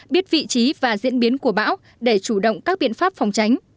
biết vị trí và diễn biến của bão để chủ động các biện pháp phòng tránh